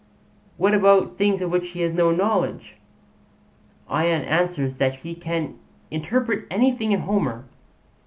'What about things of which he has no knowledge?' Ion answers that he can interpret anything in Homer.